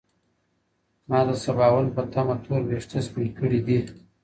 ما د سباوون په تمه تور وېښته سپین کړي دي